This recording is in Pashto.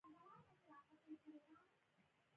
د ژوند ستره موخه علم نه؛ بلکي عمل دئ.